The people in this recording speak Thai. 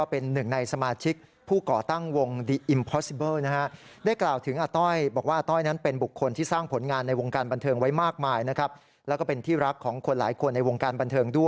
พ่อจะอย่างนั้นไปสักก่อนนะครับ